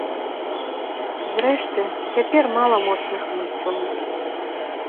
Зрэшты, цяпер мала моцных гульцоў.